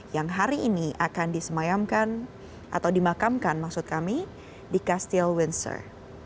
yang hari ini akan disemayamkan atau dimakamkan maksud kami di castle windsor